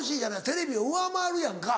テレビを上回るやんか。